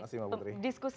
terima kasih mbak putri